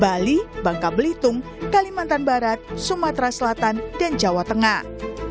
bali bangka belitung kalimantan barat sumatera selatan dan jawa tengah